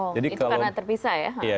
oh itu karena terpisah ya